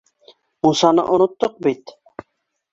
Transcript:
— Мунсаны оноттоҡ бит